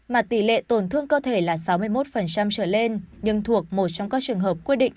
mà tỷ lệ tổn thương cơ thể là sáu mươi một trở lên nhưng thuộc một trong các trường hợp quy định